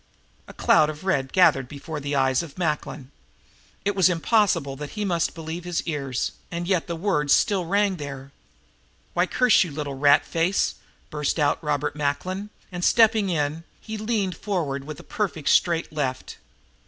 A cloud of red gathered before the eyes of Macklin. It was impossible that he must believe his ears, and yet the words still rang there. "Why, curse your little rat face!" burst out Robert Macklin, and, stepping in, he leaned forward with a perfect straight left.